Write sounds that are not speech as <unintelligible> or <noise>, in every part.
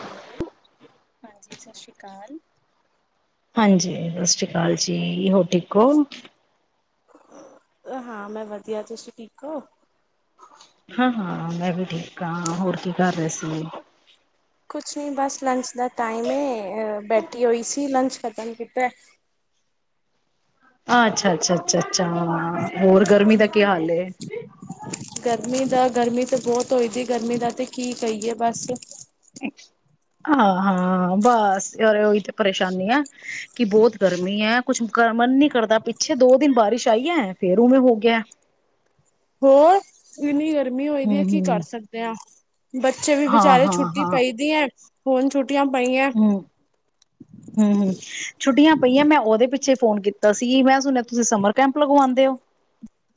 Hello ਹਾਂਜੀ ਸਤਿ ਸ਼੍ਰੀ ਅਕਾਲ ਹਾਂਜੀ ਸਤਿ ਸ੍ਰੀ ਅਕਾਲ ਜੀ ਹੋ ਠੀਕ ਹਾਂ ਮੈਂ ਵਧੀਆ ਤੁਸੀਂ ਠੀਕ ਹੋ ਹਾਂ ਹਾਂ ਮੈਂ ਵੀ ਠੀਕ ਹਾਂ ਹੋਰ ਕੀ ਕਰ ਰਹੇ ਸੀ ਕੁਛ ਨੀ ਬਸ ਲੰਚ ਦਾ ਟਾਈਮ ਏ ਬੈਠੀ ਹੋਈ ਸੀ ਲੰਚ ਖਤਮ ਕੀਤਾ ਅੱਛਾ ਅੱਛਾ ਅੱਛਾ ਅੱਛਾ ਹਾਂ ਹੋਰ ਗਰਮੀ ਦਾ ਕੀ ਹਾਲ ਹੈ ਗਰਮੀ ਦਾ ਗਰਮੀ ਤਾਂ ਬਹੁਤ ਹੋਈ ਸੀ ਗਰਮੀ ਦਾ ਤੇ ਕੀ ਕਹੀਏ ਬਸ ਹਾਂ ਹਾਂ ਬਸ ਯਾਰ ਉਹੀ ਤੇ ਪਰੇਸ਼ਾਨੀ ਹੈ ਕਿ ਬਹੁਤ ਗਰਮੀ ਹੈ ਕੁਛ ਮਨ ਨੀ ਕਰਦਾ ਪਿੱਛੇ ਦੋ ਦਿਨ ਬਾਰਿਸ਼ ਆਈ ਹੈ ਫੇਰ ਉਵੇਂ ਹੋ ਗਿਆ ਹੋਰ ਨ ਗ ਗਰਮੀ ਹੋਈ ਦੀ ਹੈ ਕੀ ਕਰ ਹੂੰ-ਹੂੰ, ਸਕਦੇ ਹਾਂ ਬੱਚੇ ਵੀ ਬਚਾਰੇ ਛੁੱਟੀ ਪਈਦੀ ਹੈ <unintelligible> ਹਮ ਹਮ ਹਮ ਛੁੱਟੀਆਂ ਪਈਆਂ ਮੈਂ ਉਹਦੇ ਪਿੱਛੇ ਫੋਨ ਕੀਤਾ ਸੀ ਮੈਂ ਸੁਣਿਆ ਤੁਸੀਂ ਸਮਰ ਕੈਂਪ ਲਗਵਾਉਂਦੇ ਹੋ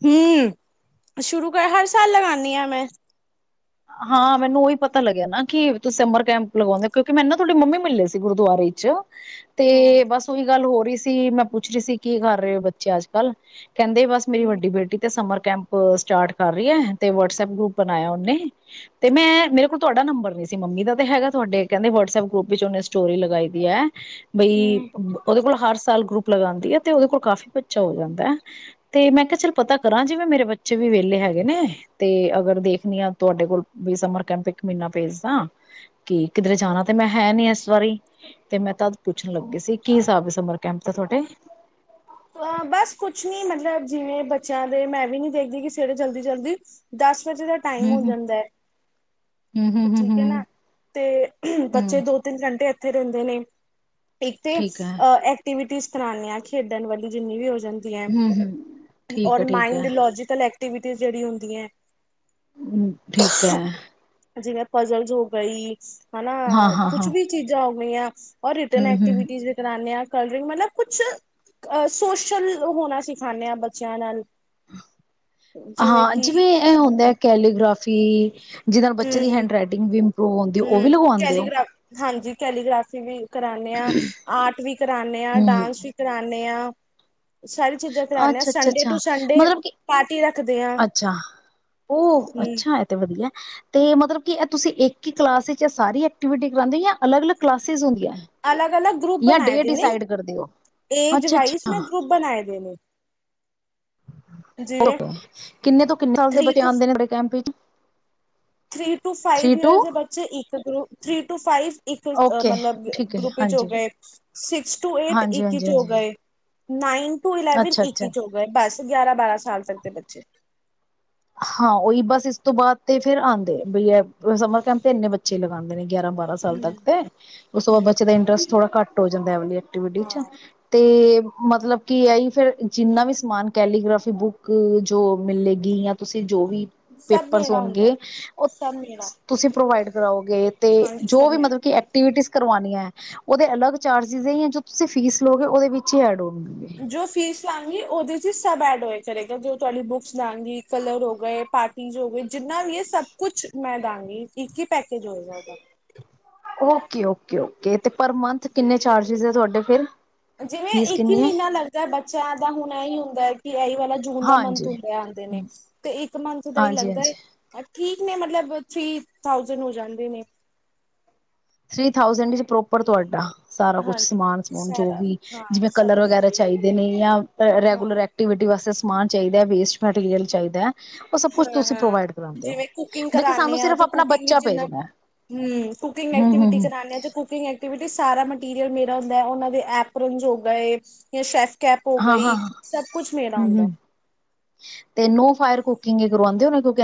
ਹਮ ਸ਼ੁਰੂ ਕਰ ਹਰ ਸਾਲ ਲਗਾਉਾਨਦੀ ਹਾਂ ਮੈਂ ਹਾਂ ਮੈਨੂੰ ਉਹੀ ਪਤਾ ਪਤਾ ਲੱਗਿਆ ਨਾ ਕਿ ਤੁਸੀਂ ਸਮਰ ਕੈਂਪ ਲਗਾਉਂਦੇ ਹੋ ਕਿਉਂਕਿ ਮੈਨ ਨਾ ਤੁਹਾਡੀੇ ਮੰਮੀ ਮਿਲੇ ਸੀ ਗੁਰਦੁਆਰੇ ਚ ਹੂੰ, ਤੇ ਬਸ ਉਹੀ ਗੱਲ ਹੋਰ ਹੀ ਸੀ ਮੈਂ ਪੁੱਛ ਰਹੀ ਸੀ ਕੀ, ਕਰ ਰਹੇ ਹੋ ਬੱਚੇ ਅੱਜ -ਕੱਲ੍ਹ? ਕਹਿੰਦੇ ਬਸ ਮੇਰੀ ਵੱਡੀ ਬੇਟੀ ਤੇ ਸਮਰ ਕੈਂਪ ਸਟਾਰਟ ਕਰ ਰਹੀ ਹੈ, ਤੇ ਵਟਸਐਪ ਗਰੁਪ ਬਣਾਇਆ ਉਹਨੇ ਤੇ ਮੈਂ ਮੇਰੇ ਕੋਲ ਤੁਹਾਡਾ ਨੰਬਰ ਨਹੀਂ ਸੀ, ਮੰਮੀ ਦਾ ਤੇ ਹੈਗਾ ਤੁਹਾਡੇ ਕਹਿੰਦੇ ਵਟਸਐਪ ਗਰੁੱਪ ਵਿੱਚ ਉਹਨੇ ਸਟੋਰੀ ਲਗਾਈ ਦੀ ਹੈ। ਬਈ, ਹੂੰ ਉਹਦੇ ਕੋਲ ਹਰ ਸਾਲ ਗਰੁੱਪ ਲਗਾਉਂਦੀ ਹੈ, ਤੇ ਉਹਦੇ ਕੋਲ ਕਾਫ਼ੀ ਬੱਚਾ ਹੋ ਜਾਂਦਾ ਹੈ ਤੇ, ਮੈਂ ਕਿਹਾ ਚੱਲ ਪਤਾ ਕਰਾਂ ਜਿਵੇਂ ਮੇਰੇ ਬੱਚੇ ਵੀ ਵਿਹਲੇ ਹੈਗੇ ਨੇ ਤੇ ਅਗਰ ਦੇਖਣੀ ਆ ਤੁਹਾਡੇ ਕੋਲ ਵੀ ਸਮਰ ਕੈਂਪ ਇੱਕ ਮਹੀਨਾ ਭੇਜਦਾ ਕਿ, ਕਿਧਰੇ ਜਾਣਾ ਤੇ ਮੈਂ ਹੈ ਨੀ ਇਸ ਵਾਰੀ, ਤੇ ਮੈਂ ਤ ਪੁੱਛਣ ਲੱਗੀ ਸੀ ਕੀ ਹਿਸਾਬ ਸਮਰ ਕੈਂਪ ਤੇ ਤੁਹਾਡੇ। ਅ ਬਸ ਕੁਛ ਨੀ ਮਤਲਬ ਜਿਵੇਂ ਬੱਚਿਆਂ ਦੇ ਮੈਂ ਵੀ ਨੀ ਦੇਖਦੀ ਕਿ ਸਵੇਰੇ ਜਲਦੀ ਜਲਦੀ ਦਸ ਦਾ ਟਾਈਮ ਹੂੰ ਹੋ ਹੂੰ ਜਾਂਦਾ ਹੈ, ਹੂੰ ਹੂੰ ਹੂੰ ਠੀਕ ਹੈ ਹੂੰ ਨਾ, ਤੇ ਹੂੰ ਬੱਚੇ ਦੋ ਤਿੰਨ ਘੰਟੇ ੱਥੇ ਰਹਿੰਦੇ ਨੇ ਇੱਕ ਤੇ ਠੀਕ ਹੈ ਐਕਟੀਵ ਕਰਾਉਂ ਹਾਂ ਖੇਡਾਂ <inaudible> ਣ ਵਾਲ ਜਿੰਨੀ ਵੀ ਹੋ <inaudible> ਜਾਂਦੀ ਹੈ ਹੂੰ ਹੂੰ ਠੀਕ ਔਰ ਹੈ ਠੀਕ ਹੈ ਮਾਈਂਡ ਲੋਜਕਲ ਐਕ <inaudible> ਕਿ ਜਿਹੜੀ ਹੁੰਦੀਆਂ ਹੈ ਹਮ ਠੀਕ ਐ। ਜਿਵੇਂ ਪਜ਼ਲਸ ਹੋ ਗਈ। ਹਨਾ ਹਾਂ ਹਾਂ ਕੁਛ ਹਾਂ ਵੀ ਚੀਜ਼ਾਂ ਮਆ <inaudible> ਔ ਰਿਟਰਨ ਹੂੰ ਹੂੰ ਐਕਟੀਵਿਟੀਜ਼ ਵੀ ਕਰਾਾਨੇ ਆ ਕਲ ਡਰਿੰਕ ਮਤਲਬ ਕੁਛ ਅਹ ਸੋਸ਼ਲ ਹੋਣਾ ਸਿਖਾਂਨੇ ਆਂ, ਬੱਚਿਆਂ ਨਾਲ ਹਾਂ ਜਿਵੇਂ, ਇਹ ਹੁੰਦੇ ਆ ਕੈਲੀਗ੍ਰਾਫ ਜੀ। ਜਿਹਦੇ ਨਾਲ ਬੱਚੇ ਦੀ ਹੂੰ, ਹੈਂਡ ਰਈਟਿੰਗ ਵੀ ਇੰਪਰੂਵ ਹੁੰਦੀ, ਉਹ ਵੀ ਹੂੰ ਲਗਵਾਉਂਦੇ ਹੋ। ਕੈਲੀਗ੍ਰਾਫ ਹਾਂਜੀ ਕੈਲੀਗ੍ਰਾਫੀ ਵੀ ਕਰਾਨੇ ਆਂ ਆਰਟ ਵੀ ਕਰਾਨੇ ਆਂ, ਹੂੰ ਡਾਂਸ ਵੀ ਕਰਾਨੇ ਆਂ। ਅੱਛਾ -ਅੱਛਾ, ਅੱਛਾ ਟੂ ਸੰਡੇ ਮਤਲਬ ਕਿ, ਪਾਰਟੀ ਰੱਖਦੇ ਆ ਅੱਛਾ ਉਹ ਹੂੰ। ਅੱਛਾ ਹੈ ਤੇ ਵਧੀਆ ਤੇ ਮਤਲਬ ਕਿ, ਇਹ ਤੁਸੀਂ ਇੱਕ ਹੀ ਕਲਾਸ ਚ ਸਾਰੀ ਐਕਟੀਵਿਟੀ ਕਰਾਉਦੇ ਹੋ ਜਾਂ, ਅਲੱਗ ਅਲੱਗ ਕਲਾਸਿਸ ਹੁੰਦੀ ਆ। ਅਲੱਗ -ਅਲੱਗ ਗਰੁੱਪ ਬਨਾਏਦੇ ਨੇ ਕਰਦੇ ਹੋ ਏਜ ਅੱਛਾ ਵਾਈਜ਼ ਅੱਛਾ ਮੈਂ ਗਰੁੱਪ ਬਣਾਏ ਦੇ ਨੇ। ਜਿਵੇਂ ਕਿੰਨੇ ਤੋਂ ਕਿੰਨੇ ਸਾਲ ਦੇ ਥ੍ਰਰੀ ਬਚੇ ਟੂ ਆਉਂਦੇ ਨੇ ਸਮਰ ਕੈਂਪ ਵਿਚ? ਥ੍ਰਰੀ ਟੂ ਫਾਈਵ ਈਅਰਸ ਦੇ ਬੱਚੇ ਇੱਕ ਗ ਥ੍ਰੀ ਟੂ ਫਾਈਵ ਇੱਕ ਓਕੇ ਮਤਲਬ ਠੀਕ ਹੈ ਗਰੁੱਪ ਵਿੱਚ ਹੋ ਹਾਂਜੀ ਗਏ ਸਿਕਸ ਟੂ ਏਟ ਹਾਂਜੀ ਇੱਕ ਹਾਂਜੀ ਹੋ ਹਾਂਜੀ ਗਏ। ਨਾਈਨ ਟੂ ਇਲੈਵਨ ਅੱਛਾ ਅੱਛਾ ਇੱਕੀ ਚ ਹੋ ਗਏ ਬੱਸ ਗਿਆਰਾਂ ਬਾਰਾਂ ਸਾਲ ਤਕ ਦੇ ਬੱਚੇ ਹਾਂ ਉਹੀ ਬਸ ਇਸ ਤੋਂ ਬਾਅਦ ਤੇ ਫੇਰ ਆਉਂਦੇ ਬਈ ਸਮਰ ਕੈਂਪ ਤੇ ਇੰਨੇ ਬੱਚੇ ਲਗਾਉਂਦੇ ਨੇ ਗਿਆਰਾਂ ਬਾਰਾਂ ਸਾਲ ਤੱਕ ਹੂੰ। ਤੇ ਉਸ ਤੋਂ ਬਾਅਦ ਹੂੰ ਬੱਚੇ ਦਾ ਇੰਟਰਸਟ ਥੋੜ੍ਹਾ ਘਟ ਹੋ ਜਾਂਦਾ ਵਆ ਹਾਂ ਤੇ ਮਤਲਬ ਕਿ ਆਈ ਫੇਿਰ ਜਿੰਨਾ ਵੀ ਸਮਾਨ ਕੈਲੀਗ੍ਰਾਫੀ ਬੁੱਕ ਜੋ ਮਿਲੇਗੀ ਜਾਂ ਤੁਸੀਂ ਜੋ ਵੀ ਸਭ ਪੇਪਰਸ ਮੇਰਾ ਹੁੰਦਾ ਹੋਣਗੇ ਉਹ ਸਭ ਮੇਰਾ ਤੁਸੀਂ ਪ੍ਰੋਵਾਈਡ ਕਰਓ ਗਏ ਤੇ ਹਾਂਜੀ ਜੋ ਸਭ ਵੀ ਮੇਰਾ ਮਤਲਬ ਕਿ ਐਕਟੀਵਿਟੀ ਕਰਵਾਾਨੀਆਂ ਹੈ ਉਹਦੇ ਅਲਗ ਚਾਰਜਿਸ ਹੈ ਜੋ ਤੁਸੀਂ ਫੀਸ ਲਓਗੇ ਉਹਦੇ ਵਿੱਚ ਹੀ ਐਡ ਹੋਗੇ ਜੋ ਫੀਸ ਲਾਂ ਗਗੀ ਉਹਦੇ ਚ ਸਬ ਐ ਕਰੇਗਾ ਜ ਤੁਹਾਡੀ ਬੁੱਕਸ ਦਾਂਗੀ ਕਲਰ ਹੋ ਗਏ ਪਾਰਟੀ ਹੋ ਗਏ ਜਿੰਨਾ ਵੀ ਹੈ ਸਭ ਕੁਛ ਮੈਂ ਦਾਂਗੀ ਇੱਕ ਪੈਕੇਜ ਹੋਏਗਾ ਓਕੇ ਓਕੇ ਓਕੇ ਤੇ ਪਰ ਮੰਥ ਕਿੰਨੇ ਚਾਰਜਿਸ ਹੈ ਤੁਹਾਡੇ ਫਿਰ ਜਿਵੇਂ ਫੀਸ ਇੱਕ ਹੀ ਕਿੰਨੀ ਹੈ? ਮਹੀਨਾ ਲੱਗਦਾ ਬੱਚਿਆਂ ਦਾ ਹੁਣ ਹੀ ਹੁੰਦਾ ਹੈ ਕਿ ਵਾਲਾ ਜੂਨ ਦਾ ਮੰਥ ਹਾਂਜੀ, ਹੁੰਦਾ ਆਉਂਦੇ ਨੇ ਤੇ ਇੱਕ ਮੰਥ ਦਾ ਹੀ ਹਾਂਜੀ, ਲੱਗਦਾ ਹਾਂਜੀ ਠੀਕ ਨੇ ਮਤਲਬ ਥ੍ਰਰੀ ਥਾਊਜਡ ਹੋ ਜਾਂਦੇ ਨੇ ਥ੍ਰਰੀ ਥਾਊਸੈਂਡ ਵਿੱਚ ਪ੍ਰੋਪਰ ਤੁਹਾਡਾ ਸਾਰਾ ਕੁਛ ਸਮਾਨ ਹਾਂਜੀ ਸਮੂਨ ਜੋ ਸਾਰਾ ਵੀ ਹਾਂ ਜਿਵੇਂ ਸਭ ਕਲਰ ਕੁਛ ਵਗੈਰਾ ਚਾਹੀਦੇ ਨੇ ਜਾਂ ਰੈਗੂਲਰ ਹਾਂ ਐਕਟੀਵਿਟੀ ਵਾਸਤੇ ਸਮਾਨ ਚਾਹੀਦਾ ਵੇਸਟ ਮੈਟੀਰੀਅਲ ਚਾਹੀਦਾ ਹੈ ਉਹ ਸਭ ਕੁਛ ਹਾਂ ਤੁਸੀਂ ਹਾਂ ਪ੍ਰੋਵਾਈਡ ਕਰਾਉਂਦੇ ਹੋ ਜਿਵੇਂ ਕੁਕਿੰਗ ਮਤ ਕਿ ਸਾਨੂੰ ਕਰਾਨੇ ਆ ਸਿਰਫ਼ ਤੇ ਆਪਣਾ ਕੁਕਿੰਗ ਬੱਚਾ ਜਿੰਨਾ ਭੇਜਣਾ ਹੈ ਹੂੰ ਕੁਕਿੰਗ ਐਕਟੀਵਿਟੀ ਕਰਾਦੇ ਤੇ ਕੁਕਗ ਐਕਟੀਵਟੀ ਸਾਰਾ ਮਟੀਰੀਅਲ ਮੇਰਾ ਹੁੰਦਾ ਹੈ ਉਹਨਾਂ ਦੇ ਐਪ ਰਜੋਗਾ ਏ ਜਾਂ ਸ਼ੈਫ ਕੈਪ ਹੋ ਹਾਂ ਗਈ ਹਾਂ ਸਭ ਕੁਛ ਮੇਰਾ ਹਮ ਹੁੰਦਾ। ਹਮ ਤੇ ਨੋ ਫਾਇਰ ਕੁਕਿੰਗ ਗੂ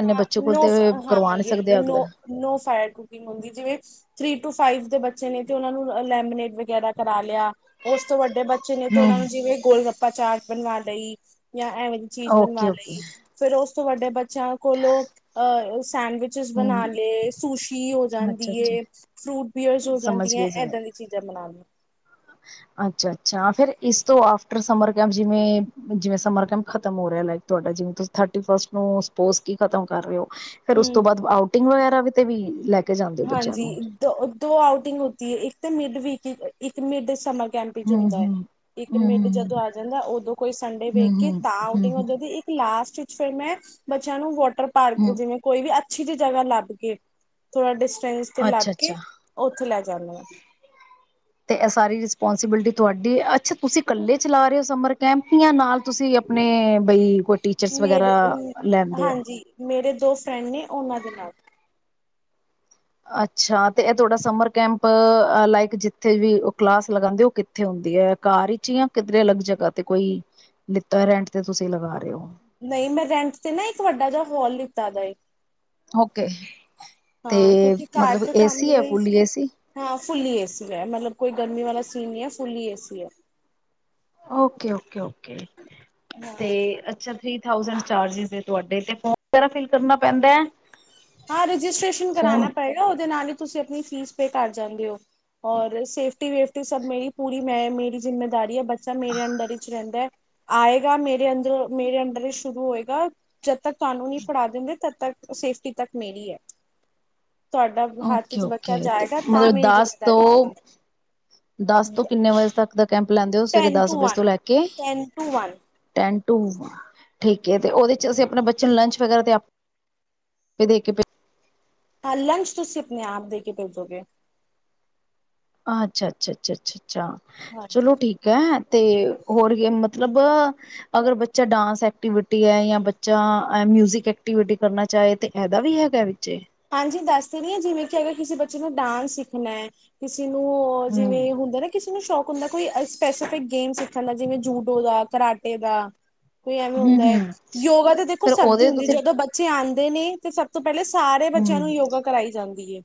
ਹਾਂ ਹਾਂ ਹਾਂਜੀ ਹਾਂਜੀ ਸਕਦੇ ਅਗਰ ਨੋ ਫਾਇਰ ਕੁਕਿੰਗ ਹੁੰਦੀ ਜਿਵੇਂ ਥ੍ਰਰੀ ਟੂ ਫਾਈਵ ਦੇ ਬੱਚੇ ਨੇ ਤੇ ਉਹਨਾਂ ਨੂੰ ਲੈਮੀਨੇਡ ਵਗੈਰਾ ਕਰਾ ਲਿਆ ਉਸ ਤੋਂ ਵੱਡੇ ਬੱਚੇ ਨੇ ਤੇ ਹੂੰ ਉਹਨਾ ਨੂੰ ਜਿਵੇਂ ਗੋਲ ਗੱਪ ਪਾਾਚਾਰ ਬਣਵਾ ਲਈ ਜਾਂ ਐਵੇਂ ਜ ਚੀਜ਼ ਓਕੇ, ਬਣਵਾ ਓਕੇ ਲਈ ਫੇਿਰ ਉਸ ਵੱਡੇ ਬੱਚਿਆਂ ਕੋਲੋਂ ਅਹ ਸੈਂਡਵਿਚਿਸ ਬਣਾ ਹੂੰ ਲਏ ਸੂਸ਼ੀ ਹੋ ਜਾਂਦੀ ਅੱਛਾ, ਅੱਛਾ ਹੈ ਫਰੂਟ ਬੀਅਰਸ ਹੋ ਜਾਂਦੀਆਂ ਇੱਦਾਂ ਦੀਆਂ ਚੀਜ਼ਾਂ ਬਣਾ ਲਾਂ ਅੱਛਾ ਅੱਛਾ ਫਿਰ ਇਸ ਤੋਂ ਆਟਰ ਸਮਰ ਕੈਂਪ ਜਿਵੇ ਜਿਵੇਂ ਸਮਰ ਕੈਂਪ ਖਤਮ ਹੋ ਰਿਹਾ ਲਕ ਤੁਾ ਜਿਵੇਥਰ ਫਸਟ ਨੂੰ ਸਪੋਰਟਸ ਕੀ ਖਤਮ ਕਰ ਰਹੇ ਹੋ ਫੇਿਰ ਉਸ ਹੂੰ ਤੋਂ ਬਾਅਦ ਆਊਟਿੰਗ ਵਗੈ ਤੇ ਵੀ ਲੈ ਕੇ ਜਾਂਦੇ ਹੋ ਬੱਚਿਆਂ ਹਾਂਜੀ ਨੂੰ। ਦੋ ਦੋ ਆਊਟਿੰਗ ਹੋਤੀ ਹੈ ਇੱਕ ਤੇ ਮਿਡ ਵੀਕ ਇੱਕ ਮਿਡ ਸਮ ਕੈਂਪ ਚ ਹੁੰਦਾ ਹੈ ਹੂੰ-ਹੂੰ, ਇੱਕ ਮਿੰਟ ਜਦੋਂ ਹੂੰ-ਹੂੰ, ਆ ਜਾਂਦਾ ਉਦੋਂ ਕੋਈ ਸੰਡੇ ਵੇਖ ਕੇ ਹੂੰ-ਹੂੰ, ਹੂੰ-ਹੂੰ, ਤਾਂ ਇੱਕ ਲਾਸਟ ਫੇਿਰ ਮੈਂ ਬੱਚਿਆਂ ਨੂੰ ਵੋ ਟਰ ਪਾਰਕ ਹੂੰ ਜਿਵੇਂ ਕੋਈ ਵੀ ਅੱਛੀ ਜ ਜਗ੍ਹਾ ਲੱਭ ਕੇਏ ਤੁਹਾਡੇ ਤੇ ਲੱਭ ਕੇ ਅੱਛਾ-ਅੱਛਾ ਉੱਥੇ ਲੈ ਜਾਂਦੇ ਆਾਂ ਤੇ ਇਹ ਸਾਰੀ ਰਿਸਪੋਂਸੀਬਿਲਿਟੀ ਤੁਹਾਡੀ ਅੱਛਾ ਤੁਸੀਂ ਇਕੱਲੇ ਚਲਾ ਰਹੇ ਹੋ ਸਮਰ ਕੈਂਪੀਆਂ ਨਾਲ ਤੁਸੀਂ ਆਪਣੇ ਬਈ ਕੁਛ ਮੇਰੇ ਹਾਂਜੀ ਮੇਰੇ ਦੋ ਫਰੈਂਡ ਨੇ ਉਹਨਾਂ ਦੇ ਨਾਲ ਅੱਛਾ ਤੇ ਇਹ ਤੁਹਾਡਾ ਸਮਰ ਕੈਂਪ ਲਾਇਕ ਜਿੱਥੇ ਵੀ ਕਲਾਸ ਲਗਾਦੇ ਉਹ ਕਿੱਥੇ ਹੁੰਦੀ ਹੈ ਕਾਰ ਵਿਚ ਜਾਂ ਕਿਧਰੇ ਅਲੱਗ ਜਗਾ ਤੇ ਕੋਈ ਲਤਾ ਰੈਂਟ ਤੇ ਤੁਸੀਂ ਲਗਾ ਰਹੇ ਹੋ ਨਹੀਂ ਮੈਂ ਰੈਂਟ ਤੇ ਨਾ ਇੱਕ ਵੱਡਾ ਜਿਹਾ ਹੋਲ ਲਿੱਤਾ ਦਾ ਓਕੇ ਹਾਂ ਤੇ ਕਿਉਂਕਿ ਘਰ ਮਤਲਬ ਤੇ ਕੰਮ ਏਸੀ ਹੈ ਰਹੀ ਫੁੱਲੀ ਸੀ ਏਸੀ ਹਾਂ ਫੁੱਲੀ ਏ ਸੀ ਲ ਮਤਲਬ ਕੋਈ ਗਰਮੀ ਵਾਲਾ ਸੀਨ ਨਹੀਂ ਹੈ ਫੁੱਲੀ ਏ ਸੀ ਹੈ ਓਕੇ ਓਕੇ ਓਕੇ ਤੇ ਅੱਛਾ ਫੀ ਥਾਰ ਤੁਹਾਡੇ ਤੇ ਫੋਮ ਵਗੈਰਾ ਫਿਲ ਕਰਨਾ ਪੈਂਦਾ ਹੈ ਹਾਂ ਰਜਿਸਟ੍ਰੇਸ਼ਨ ਕਰਾਉਣਾ ਫੋਮ ਪਏਗਾ ਉਹਦੇ ਨਾਲ ਹੀ ਤੁਸੀਂ ਆਪਣੀ ਫੀਸ ਕਰ ਜਾਂਦੇ ਹੋ ਔਰ ਸੇਫਟੀ ਵੇਫਟੀ ਸਭ ਮੇਰੀ ਪੂਰੀ ਮੈਂ ਮੇਰੀ ਜਿੰਮੇਦਾਰੀ ਆ ਬ ਮੇਰੇ ਅੰਦਰਰ ਵਿੱਚ ਚ ਰਹਿੰਦਾ ਆਏਗਾ ਮੇਰੇ ਅੰਦਰ ਮੇਰੇ ਅੰਦਰ ਹੀ ਸ਼ੁਰੂ ਹੋਏਗਾ ਤੱਕ ਕਾਨੂੰਨੀ ਫੜਾ ਦਿੰਦੇ ਤਦ ਤੱਕ ਸੇਫਟੀ ਤੱਕ ਮਿਲੀ ਹੈ ਤੁਹਾਡਾ ਹੱਥ ਓਕੇ ਚ ਓਕੇ ਬੱਚਾ ਤੇ ਜਾਏਗਾ ਤਾਂ ਮਤਲਬ ਮੇਰੀ ਦਸ ਜਿੰਮੇਦਾਰੀ ਤੋਂ ਖਤਮ ਦਸ ਤੋਂ ਕਿੰਨੇ ਵਜੇ ਤੱਕ ਦਾ ਕੈਂਪ ਲੈਂਦੇ ਹੋ ਸਵੇਰੇ ਟੈਨ ਦਸ ਟੂ ਵਜੇ ਤੋਂ ਵਨ ਲੈ ਕੇ ten to one tent to ਠੀਕ ਹੈ ਤੇ ਉਹਦੇ ਚ ਅਸੀਂ ਆਪਣੇ ਬੱਚੇ ਨੂੰ ਲੰਚ ਵਗੈਰਾ ਤੇ ਦੇ ਕੇ ਹਾਂ ਲੰਚ ਤੁਸੀਂ ਆਪਣੇ ਆਪ ਦੇ ਕੇ ਭੇਜੋਗੇ ਅੱਛਾ ਅੱਛਾ ਅੱਛਾ ਅੱਛਾ ਅੱਛਾ ਹਾਂਜੀ। ਚਲੋ ਠੀਕ ਹੈ ਤੇ ਹੋਰ ਗੇ ਮਤਲਬ ਅਗਰ ਬੱਚਾ ਡਾਂਸ ਐਕਟੀਵਿਟੀ ਹੈ ਜਾਂ ਬੱਚਾ ਮਿਊਜਿਕ ਐਕਟੀਵਿਟੀ ਕਰਨਾ ਚਾਹੇ ਤੇ ਇਹਦਾ ਵੀ ਹੈਗਾ ਵਿੱਚੇ ਹਾਂਜੀ ਦੱਸ ਤੇ ਰੀ ਹਾਂ ਜਿਵੇਂ ਕਿ ਅਗਰ ਕਿਸੇ ਬੱਚੇ ਨੂੰ ਡਾਂਸ ਸਿੱਖਣਾ ਹੈ ਕਿਸੇ ਕਿਸੇ ਨੂੰ ਹਮ ਜਿਵੇਂ ਹੁੰਦਾ ਨਾ ਕਿਸੇ ਨੂੰ ਸ਼ੌ ਹੁਣਦਾ ਕੋਈ ਸਪੈਸੀਫਿਕ ਗੇਮ ਸਿੱਖਣ ਦਾ ਜਿਵੇਂ ਜੂਡੋ ਦਾ, ਕਰਾਟੇ ਦਾ। ਕੋਈ ਐਵੇਂ ਹੁੰਦਾ ਹਮ ਹੈ ਹਮ ਯੋਗਾ ਤਾਂ ਦੇਖੋ ਫਿਰ ਸਭ ਦੀ ਉਹਦੇ ਹੁੰਦੀ ਤੁਸੀਂ ਜਦੋਂ ਬੱਚੇ ਆਨ ਨੇ ਤੇ ਸਭ ਤੋਂ ਪਹਿਲੇ ਸਾਰੇ ਹਮ ਚਲੋ ਯੋਗਾ ਕਰਵਾਈ ਜਾਂਦੀ ਏ।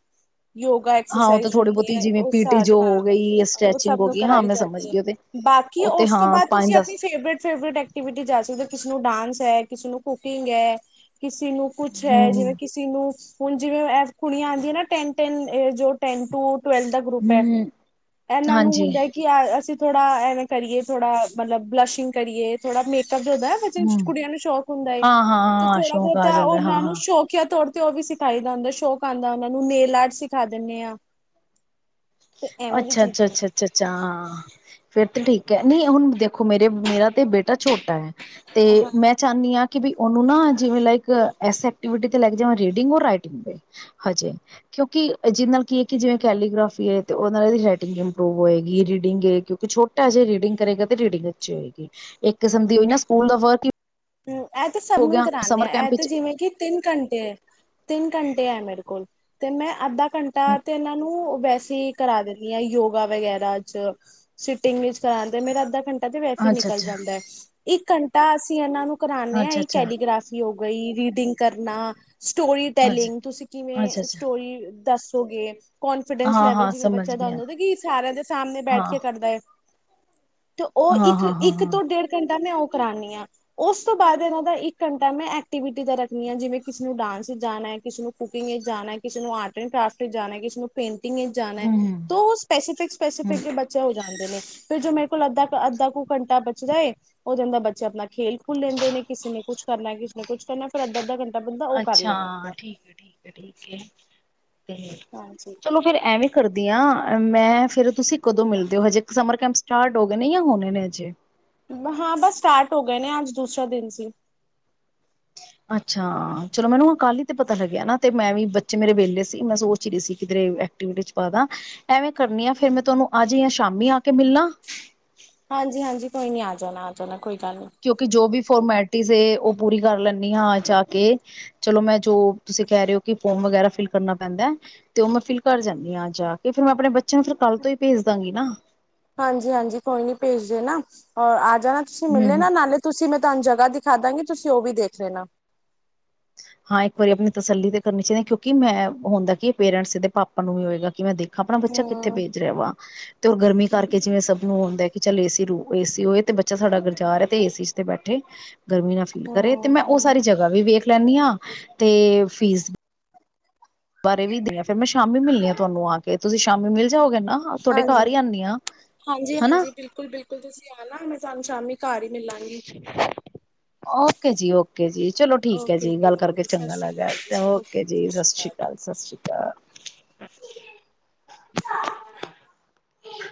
ਯੋਗਾ ਹਾਂ ਉਹ ਤਾਂ ਐਕਸਰਸਾਈਜ ਥੋੜ੍ਹੀ ਹੁੰਦੀ ਬਹੁਤੀ ਹੈ, ਜਿਵੇਂ ਉਹ ਪੀਟੀ ਜੋ ਹਾਂ ਹੋ ਗਈ ਉਹ ਸਟ੍ਰੈਚਿੰਗ ਹੋ ਸਭ ਗਈ ਹਾਂ ਕਰਾਈ ਮੈਂ ਸਮਝ ਜਾਂਦੀ ਹੈ ਗਈ ਉਹਦੇ ਬਾਕੀ ਉਹ ਤੇ ਉਸ ਤੋਂ ਹਾਂ ਬਾਅਦ ਪੰਜ ਤੁਸੀ ਦਸ ਅਪਣੀ ਫੇਵਰੇਟ ਫੇਵਰੇਟ ਐਕਟੀਵਿਟੀ ਜਾ ਸਕਦੀ ਕਿਸੇ ਨੂੰ ਡਾਂਸ ਹੈ ਕਿਸੇ ਨੂੰ ਕੁਕਿੰਗ ਹੈ। ਕਿਸੇ ਨੂੰ ਕੁਛ ਹੈ ਹਮ ਜਿਵੇਂ ਕਿਸੇ ਨੂੰ ਹੁਣ ਐ ਜਿਵੇਂ ਕੁੜੀਆਂ ਆਉਂਦੀਆਂ ਨਾ ਟੈਨ ਟੈਨ ਜੋ ਟੈਨ ਟੂ ਤਵੇਲਵ ਦਾ ਗਰੁੱਪ ਹੈ, ਹਮ ਇਹਨਾਂ ਨੂੰ ਹਾਂਜੀ ਹੁੰਦਾ ਹੈ ਕਿ ਅਸੀਂ ਥੜਾ ਇਵੇਂ ਕਰੀਏ, ਥੋੜਾ ਮਤਲਬ ਬਲੱਸ਼ਿੰਗ ਕਰੀਏ ਥੋੜਾ ਮੇਕ <unintelligible> ਜਿਨ ਹਮ ਕੁੜੀਆਂ ਨੂੰ ਸ਼ੌਕ ਹੁੰਦਾ ਏ ਹਾਂ ਹਾਂ ਤੇ ਹਾਂ ਥੋੜਾ ਸ਼ੌਕ ਆ ਬਹੁਤਾ ਜਾਂਦਾ ਹਾਂ ਉਹਨਾਂ ਨੂੰ ਹਾਂ ਸ਼ੋਂਕਕਿਆ ਤੋਰ ਤੇ ਤੇ ਉਹ ਵੀ ਸੀ <unintelligible> ਸ਼ੌਕ ਆਉਂਦਾ ਉਹਨਾਂ ਨੂੰ ਨੇਲ ਆਰਟ ਸਿਖਾ ਦਿੰਦੇ ਹਾਂ। ਅੱਛਾ-ਅੱਛਾ ਅੱਛਾ ਅੱਛਾ ਅੱਛਾ ਹਾਂ ਫੇਰ ਤਾਂ ਠੀਕ ਕਹਿੰ ਨਹੀਂ ਹੁਣ ਦੇਖੋ ਮੇਰੇ ਮੇਰਾ ਤੇ ਬੇਟਾ ਛੋਟਾ ਹੈ। ਤੇ ਹਾਂ ਮੈਂ ਚਾਂਨੀ ਹਾਂ। ਕੀ ਵੀ ਉਹਨੂੰ ਨਾ ਜਿਵੇਂ ਲਾਈਕ ਐਸੀ ਐਕਟੀਵਿਟੀ ਤੇ ਲੈ ਜਾਵਾਂ ਰੀਡਿੰਗ ਔਰ ਰਾਈਟਿੰਗ ਤੇ ਹਜੇ, ਕਿਉਂਕਿ ਜਿਹਦੇ ਨਾਲ ਕੀ ਹ ਕਿ ਜਿਵੇਂ ਕੈਲੀਗਰਾਫੀ ਤੇ ਊਦੇ ਨਾਲ ਇਹਦੀ ਰਾਈਟਿੰਗ ਇੰਪਰੂਵ ਹੋਏਗੀ, ਰੀਡਿੰਗ ਏ ਕਿਉਂਕਿ ਛੋਟਾ ਜਿਹਾ ਰੀਡਿੰਗ ਕਰੇਗਾ ਤੇ ਰੀਡਿੰਗ ਅੱਛੀ ਹੋਏਗੀ ਇੱਕ ਕਿਸਮ ਦੀ ਨਾ ਸਕੂਲ ਦਾ ਵਰਕ ਹੀ ਇਹ ਤੇ ਸਭ ਨੂੰ ਹੀ ਕਰਾਨੇ ਆ ਇਹ ਤੇ ਵਿੱਚ ਜਿਵੇਂ ਕਿ ਤਿੰਨ ਘੰਟੇ ਤਿੰਨ ਘੰਟੇ ਹੈ ਮੇਰੇ ਕੋਲ ਤੇ ਮੈਂ ਅੰਦਾ ਘੰਟਾ ਤੇ ਇਹਨਾਂ ਨੂੰ ਬੈਸ ਤੇ ਕਰਾ ਦਿੰਦੀ ਹਾਂ ਯੋਗਾ ਵਗੈਰਾ ਚ ਸਟਿੰਗ ਵਿੱਚ ਕਰਾਦੇ ਮੇਰਾ ਅੱਧਾ ਘੰਟਾ ਐ ਤੇ ਵੈਸੇ ਅੱਛਾ ਅੱਛਾ ਨਿਕਲ ਜਾਂਦਾ ਇੱਕ ਘੰਟਾ ਅਸੀਂ ਇਹਨਾਂ ਨੂੰ ਕਰਾਨੇ ਹਾਂ ਅੱਛਾ ਅੱਛਾ ਇਹ ਅੱਛਾ ਕੈਲੀਗ੍ਰਾਫੀ ਹੋ ਗਈ ਰੀਡਿੰਗ ਕਰਨਾ। ਸਟੋਰੀ ਟੈਲਿੰਗ ਤੁਸੀਂ ਅੱਛਾ ਕਿਵੇਂ ਅੱਛਾ ਸਟੋਰੀ ਦੱਸੋਗੇ ਕੋਂਨਫੀਡੈਂਸ ਹਾਂ ਲੈਵਲ ਹਾਂ ਜਿਵੇਂ ਸਮਝ ਬੱਚਿਆਂ ਦਾ ਗਿਆ ਹੁੰਦਾ ਕਿ ਸਾਰਿਆਂ ਦੇ ਸਾਹਮਣੇ ਹਾਂ ਬੈਠ ਕੇ ਕਰਦਾ ਹੈ। ਤੇ ਉਹ ਹਾਂ ਹਾਂ ਹਾਂ ਇੱਕ-ਇੱਕ ਹਾਂ ਤੋਂ ਡੇਢ ਘੰਟਾ ਮੈਂ ਕਰਾਨੀ ਆ। ਉਸ ਤੋਂ ਬਾਅਦ ਇਹਨਾਂ ਦਾ ਇੱਕ ਘੰਟਾ ਮੈਂ ਐਕਟੀਵਿਟੀ ਦਾ ਰੱਖਣੀ ਹਾਂ ਜਿਵੇਂ ਕਿਸੇ ਨੂੰ ਡਾਂਸ ਵਿੱਚ ਜਾਣਾ ਕਿਸੇ ਨੂੰ ਕੁਕਿੰਗ ਵਿੱਚ ਜਾਣਾ ਕਿਸੇ ਨੂੰ ਆਰਟ ਐਂਡ ਕਰਾਫਟ ਵਿੱਚ ਜਾਣਾ ਕਿਸੇ ਨੂੰ ਪੇਂਟ ਜਾਣਾ ਹੈ ਤਾਂ ਹੂੰ-ਹੂੰ। ਉਹ ਸਪੈਸੀਫਿਕ ਸਪੈਸੀਫਿਕ ਬੱਚਾ ਹੋ ਜਾਂਦੇ ਨੇ ਫਿਰ ਜੋ ਮੇਰੇ ਕੋਲ ਅੱਧਾ ਅੱਧਾ ਕੁ ਘੰਟਾ ਬਚਦਾ ਏ ਉਹ ਜਾਂਦਾ ਬੱਚੇ ਆਪਣਾ ਖੇਲ ਲੈਂਦੇ ਨੇ ਕਿਸੇ ਨੇ ਕੁਛ ਕਰਨਾ ਕਿਸੇ ਨੇ ਕੁਛ ਕਰਨਾ ਫਿਰ ਅੱਧਾ ਅੱਧਾ ਬੰਦਾ ਉਹ ਕਰ ਅੱਛਾ ਲੈਂਦਾ ਆਪਣਾ ਠੀਕ ਆ ਠੀਕ ਆ ਠੀਕ ਹੈ ਹਾਂਜੀ ਚਲੋ ਫੇਰ ਐਵੇਂ ਕਰਦੀ ਹਾਂ ਮੈਂ ਫਿਰ ਤੁਸੀਂ ਕਦੋਂ ਮਿਲਦੇ ਹੋ ਹਜੇ ਸਮਰ ਕੈਂਪ ਸਟਾਰਟ ਹੋ ਗਏ ਨੇ ਜਾਂ ਹੋਣੇ ਨੇ ਹਜੇ ਹਾਂ ਬਸ ਸਟਾਰਟ ਹੋ ਗਿਆ ਗਏ ਨੇ ਅੱਜ ਦੂਸਰਾ ਦਿਨ ਸੀ ਅੱਛਾ ਚਲੋ ਮੈਨੂੰ ਕੱਲ ਹੀ ਤੇ ਪਤਾ ਲੱਗਿਆ ਨਾ ਤੇ ਮੈਂ ਵੀ ਬੱਚੇ ਮੇਰੇ ਵੇਲੇ ਸੀ ਮੈਂ ਸੋਚ ਰਹੀ ਸੀ ਕਿ ਕਿਧਰੇ ਐਕਟੀਵਿਟੀ ਚ ਪਾਂ ਦਾ ਐਵੇਂ ਕਰਨੀ ਆ ਫਿਰ ਮੈਂ ਤੁਹਨੂੰ ਅੱਜ ਜਾਂ ਸ਼ਾਮੀ ਆ ਕੇ ਮਿਲਣਾ ਹਾਂਜੀ ਹਾਂਜੀ ਕੋਈ ਨੀ ਆ ਜਾਣਾ ਜਾਣਾ ਕੋਈ ਗੱਲ ਨੀ। ਕਿਉਂਕਿ ਜੋ ਵੀ ਫੋਰਮੈਲਟੀ ਟੀ ਉਹ ਪੂਰੀ ਕਰ ਲੈਂਦੀ ਹਾਂ ਜਾ ਕੇ ਚਲੋ ਮੈਂ ਜੋ ਤੁਸੀਂ ਕਹਿ ਰਹੇ ਹੋ ਕਿ ਫੋਮ ਵਗੈਰਾ ਫਿਲ ਕਰਨਾ ਪੈਂਦਾ ਤੇ ਉਹ ਮੈਂ ਫਿਲ ਕਰ ਜਾਂਦੀ ਹਾਂ ਜਾ ਕੇ ਫਿਰ ਮੈਂ ਆਪਣੇ ਬੱਚੇ ਨੂੰ ਫਿਰ ਕੱਲ ਤੋਂ ਹੀ ਭੇਜ ਦਾਂਗੀ ਨਾ ਹਾਂਜੀ ਹਾਂਜੀ ਕੋਈ ਨੀ ਭੇਜਦੇ ਨਾ ਅੱਜ ਜਾਣਾ ਤੁਸੀਂ ਹੂੰ ਮਿਲੇ ਨਾ ਹੂੰ ਨਾਲੇ ਤੁਸੀਂ ਮ ਤੁਹਾਨੂੰ ਜਗ੍ਹਾ ਦਿਖਾ ਦਾਂਗੇ ਤੁਸੀਂ ਉਹ ਵੀ ਦੇਖ ਲੈਣਾ ਹਾਂ ਇੱਕ ਵਾਰੀ ਆਪਣੀ ਤਸੱਲੀ ਤੇ ਕਰਨੀ ਚਾਹੀਦੀ ਕਿਉਂਕਿ ਮੈਂ ਹੁੰਦਾ ਕਿ ਇਹ ਪੇਰੈਂਟਸਦੇ ਪਾਪਾ ਨੂੰ ਵੀ ਹੋਏਗਾ ਕਿ ਮੈਂ ਦੇਖ ਆਪਣਾ ਬੱਚਾ ਕਿੱਥੇ ਭੇਜ ਰਿਹਾ ਵਾ ਤੇ ਗਰਮੀ ਕਰਕੇ ਜਿਵੇਂ ਸਭ ਨੂੰ ਹੁੰਦਾ ਕਿ ਚੱਲ ਏਸੀ ਰੂ ਏਸੀ ਹੋਏ ਤੇ ਬੱਚਾ ਸਾਡਾ ਜਾ ਰਿਹਾ ਹੈ ਤੇ ਏਸੀ ਚ ਤੇ ਬੈਠੇ ਗਰਮੀ ਨਾ ਫੀਲ ਕਰੇ ਤੇ ਮੈਂ ਉਹ ਹੂੰ-ਹੂੰ-ਹੂੰ ਸਾਰੀ ਜਗ੍ਹਾ ਵੀ ਵੇਖ ਲੈਂਦੀ ਹਾਂ ਅਤੇ ਫੀਸ ਬਾਰੇ ਵੀ ਦੇ ਆ ਫਿਰ ਮੈਂ ਸ਼ਾਮੀ ਮਿਲਣੀ ਹਾਂ ਤੁਹਾਨੂੰ ਆ ਕੇ ਤੁਸੀਂ ਸ਼ਾਮੀ ਮਿਲ ਜਾਓਗੇ ਨਾ ਤੁਹਾਡੇ ਹਾਂਜੀ ਘਰ ਹੀ ਆਉਂਦੀ ਹਾਂ ਹਾਂਜੀ ਹਨਾ ਹਾਂਜੀ ਬਿਲਕੁਲ ਬਿਲਕੁਲ ਤੁਸੀਂ ਆਣਾ ਮੈਂ ਸਾਨੂੰ ਸ਼ਾਮੀ ਘਰ ਹੀ ਮਿਲਾਗੀ ਓਕੇ ਜੀ ਓਕੇ ਜੀ ਚਲੋ ਠੀਕ ਹੈ ਜੀ ਗੱਲ ਕਰਕੇ ਚੰਗਾ ਲੱਗਾ ਓਕੇ ਜੀ ਸਤਿ ਸ਼੍ਰੀ ਅਕਾਲ ਸਤਿ ਸ਼੍ਰੀ ਅਕਾਲ <inaudible> <inaudible> <inaudible>